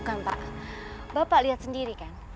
kan pak bapak lihat sendiri kan